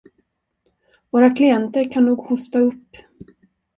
Våra klienter kan nog hosta upp.